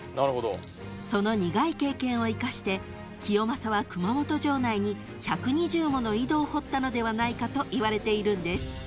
［その苦い経験を生かして清正は熊本城内に１２０もの井戸を掘ったのではないかといわれているんです］